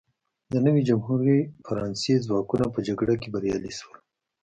د نوې جمهوري فرانسې ځواکونه په جګړه کې بریالي شول.